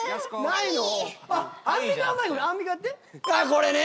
これね。